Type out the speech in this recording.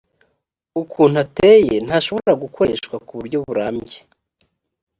ukuntu ateye ntashobora gukoreshwa ku buryo burambye